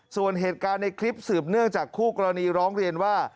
ส่วนเหตุการณ์ในคลิปสืบเนื่องจากคู่กรณีร้องเรียนว่า